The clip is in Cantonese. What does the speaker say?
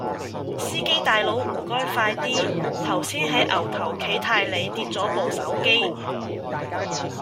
司機大佬唔該快啲，頭先喺牛頭啟泰里跌左部手機